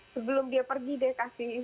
sebelum dia pergi dia kasih